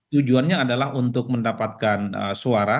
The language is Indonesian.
tujuannya adalah untuk mendapatkan suara